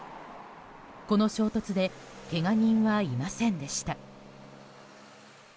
この衝突でけが人はいませんでした。